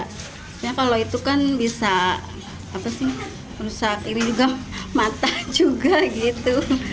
karena kalau itu kan bisa apa sih merusak ini juga mata juga gitu